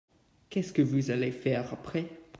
Qu’est-ce que vous allez faire après ?